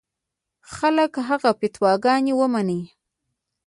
خلک هغه فتواګانې ومني.